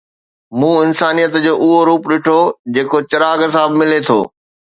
مون انسانيت جو اهو روپ ڏٺو، جيڪو چراغ سان به ملي ٿو